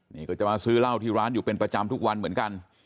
นี่ก็จะมาซื้อเหล้าที่ร้านอยู่เป็นประจำทุกวันเหมือนกัน